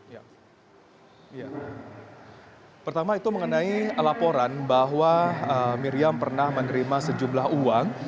ya pertama itu mengenai laporan bahwa miriam pernah menerima sejumlah uang